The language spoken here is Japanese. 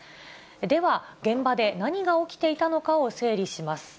では、現場で何が起きていたのかを整理します。